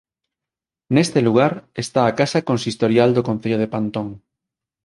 Neste lugar está a casa consistorial do concello de Pantón.